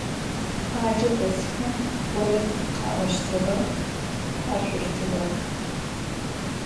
Khocedesxem vored kha'oştığe, khaşsoştığex.